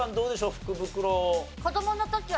福袋。